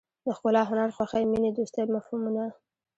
د ښکلا هنر خوښۍ مینې دوستۍ مفهومونه.